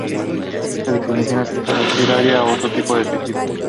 Esta definición aplica a cualquier área o tipo de tejido.